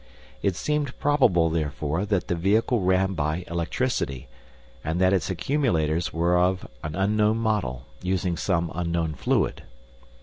It seemed probable, therefore, that the vehicle ran by electricity, and that its accumulators were of an unknown model, using some unknown fluid.